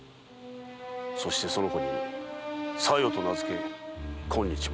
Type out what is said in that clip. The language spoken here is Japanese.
そしてその子に“小夜”と名付け今日まで。